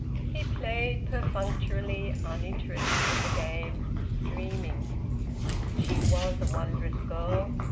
He played perfunctorily, uninterested in the game, dreaming. She was a wondrous girl!